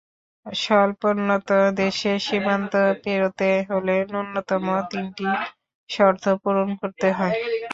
স্বল্পোন্নত দেশের সীমান্ত পেরোতে হলে ন্যূনতম তিনটি শর্ত পূরণ করতে হয়।